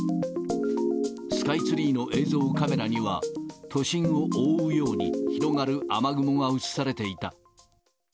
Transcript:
スカイツリーの映像カメラには、都心を覆うように広がる雨雲が写されていた。